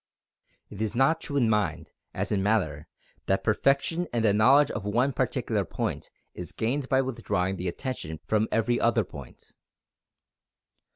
It is not true in mind, as in matter, that perfection in the knowledge of one particular point is gained by withdrawing the attention from every other point.